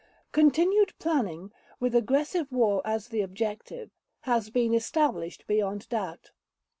Continued planning, with aggressive war as the objective, has been established beyond doubt.